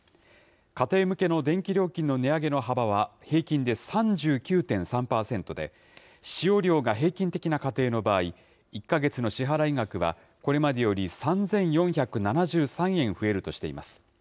家庭向けの電気料金の値上げの幅は平均で３９．３％で、使用量が平均的な家庭の場合、１か月の支払い額はこれまでより３４７３円増えるとしています。